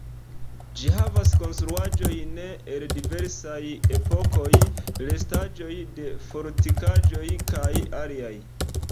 Ĝi havas konstruaĵojn el diversaj epokoj, restaĵoj de fortikaĵoj kaj aliaj.